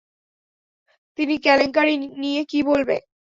চিনি কেলেংকারী নিয়ে কী বলবে?